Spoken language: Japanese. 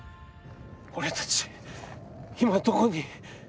俺たち今どこに！？